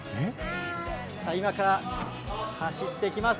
さあ、今から走ってきます。